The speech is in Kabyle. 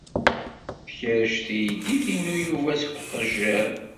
Tkerrec teydit-inu Yuba seg uqejjir.